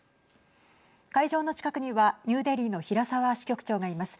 会場の近くにはニューデリーの平沢支局長がいます。